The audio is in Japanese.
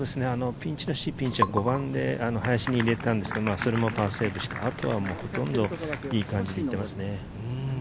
ピンチらしいピンチは５番で林に入れたんですが、それもパーセーブして、あとはほとんどいい感じに行っていますね。